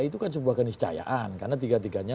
itu kan sebuah keniscayaan karena tiga tiganya